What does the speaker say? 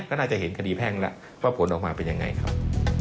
ก็น่าจะเห็นคดีแพ่งแล้วว่าผลออกมาเป็นยังไงครับ